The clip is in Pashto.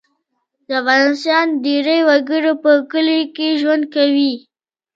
د افغانستان ډیری وګړي په کلیو کې ژوند کوي